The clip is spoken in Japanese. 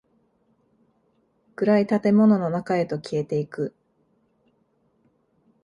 暗い建物の中へと消えていく。